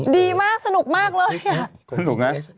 ดีมากสนุกมากเลยเคยออกห้องพี่อย่างนี้